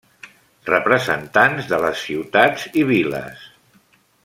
Representants de les ciutats i Viles.